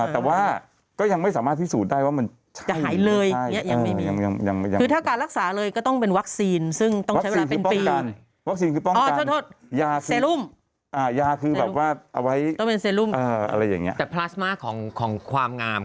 แต่ว่าก็ยังไม่สามารถพิสูจน์ได้ว่ามัน